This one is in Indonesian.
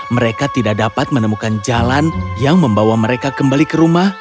mereka tidak dapat menemukan jalan yang membawa mereka kembali ke rumah